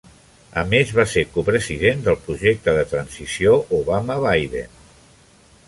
A més, va ser copresident del Projecte de Transició Obama-Biden.